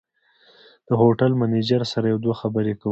د هوټل منیجر سره یو دوه خبرې کوم.